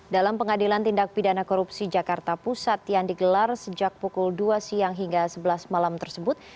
dalam pengadilan tindak pidana korupsi jakarta pusat yang digelar sejak pukul dua siang hingga sebelas malam tersebut